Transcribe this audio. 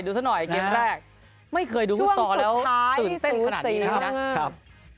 สักหน่อยเกมแรกไม่เคยดูฟุตซอลแล้วตื่นเต้นขนาดนี้นะครับ